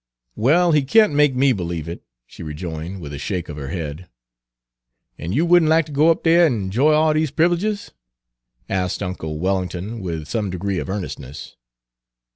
"Well, he can't make me b'lieve it," she rejoined, with a shake of her head. "An' you would n' lack ter go up dere an' 'joy all dese privileges?" asked uncle Wellington, with some degree of earnestness.